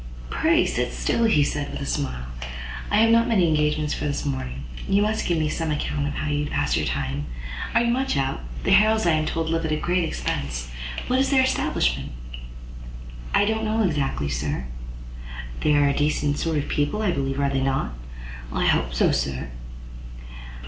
"Pray sit still," said he, with a smile; "I have not many engagements for this morning. You must give me some account how you pass your time. Are you much out? The Harrels, I am told, live at a great expense. What is their establishment?" "I don't exactly know, sir." "They are decent sort of people, I believe; are they not?" "I hope so, sir!"